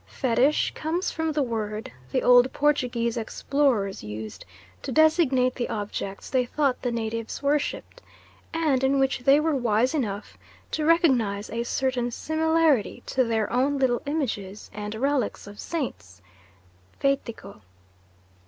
Fetish comes from the word the old Portuguese explorers used to designate the objects they thought the natives worshipped, and in which they were wise enough to recognise a certain similarity to their own little images and relics of Saints, "Feitico."